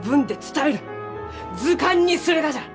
図鑑にするがじゃ！